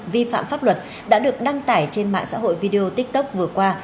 vi phạm pháp luật đã được đăng tải trên mạng xã hội video tiktok vừa qua